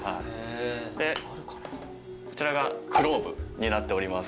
でこちらがクローブになっております。